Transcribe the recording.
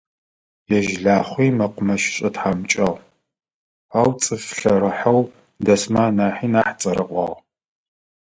Ежь Лахъуи мэкъумэщышӏэ тхьамыкӏагъ, ау цӏыф лъэрыхьэу дэсмэ анахьи нахь цӏэрыӏуагъ.